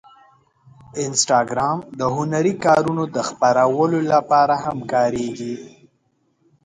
انسټاګرام د هنري کارونو د خپرولو لپاره هم کارېږي.